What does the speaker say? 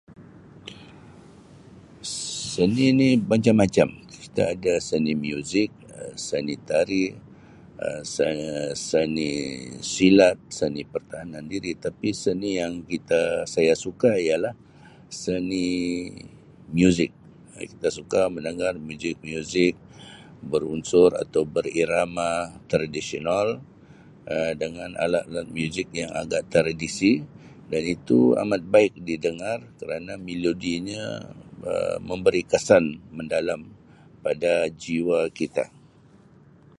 Seni ni macam-macam kita ada seni muzik[Um]seni tari Um seni seni silat seni pertahanan diri tapi seni yang kita saya suka ialah seni muzik itu kita suka mendengar muzik-muzik berunsur atau berirama tradisional dengan alat-alat muzik yang agak tradisi dan itu amat baik didengar kerana melodinya Um memberi kesan mendalam pada jiwa kita.